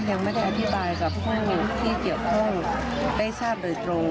ยังไม่ได้อธิบายกับผู้ที่เกี่ยวข้องได้ทราบโดยตรง